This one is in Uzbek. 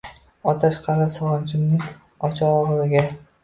Otash qalar sogʼinchimning oʼchogʼiga